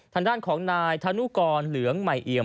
ทางด้านของนายธนุกรเหลืองใหม่เอี่ยม